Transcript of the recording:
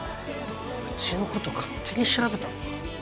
うちのこと勝手に調べたのか。